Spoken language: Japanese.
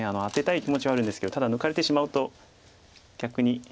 アテたい気持ちはあるんですけどただ抜かれてしまうと逆に。